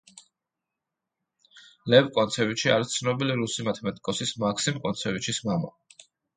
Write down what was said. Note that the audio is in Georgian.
ლევ კონცევიჩი არის ცნობილი რუსი მათემატიკოსის მაქსიმ კონცევიჩის მამა.